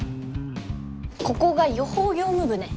ここが予報業務部ね。